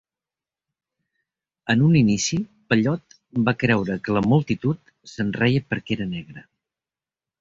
En un inici, Pellot va creure que la multitud se'n reia perquè era negre.